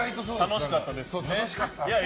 楽しかったですしね。